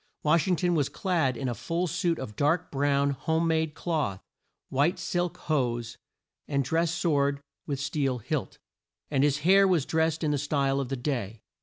Wash ing ton was clad in a full suit of dark brown home made cloth, white silk hose, and dress sword with steel hilt, and his hair was drest in the style of the day.